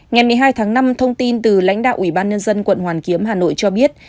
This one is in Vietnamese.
ngày một mươi hai tháng năm thông tin từ lãnh đạo ủy ban nhân dân quận hoàn kiếm hà nội cho biết